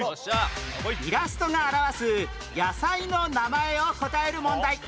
イラストが表す野菜の名前を答える問題